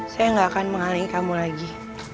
saya gak akan menghalangi kamu lagi